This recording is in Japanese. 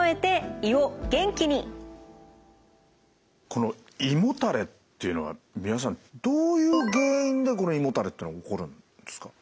この胃もたれっていうのは三輪さんどういう原因で胃もたれっていうのは起こるんですか？